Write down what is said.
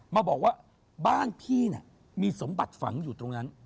มาบอกว่าบ้านพี่มีสมบัติฝังอยู่ตรงนั้น